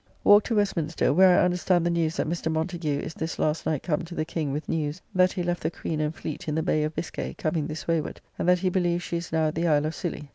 Walked to Westminster; where I understand the news that Mr. Montagu is this last night come to the King with news, that he left the Queen and fleet in the Bay of Biscay, coming this wayward; and that he believes she is now at the Isle of Scilly.